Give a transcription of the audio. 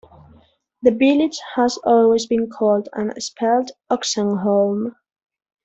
The village has always been called and spelt Oxenholme.